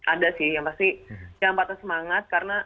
ada sih yang pasti jangan patah semangat karena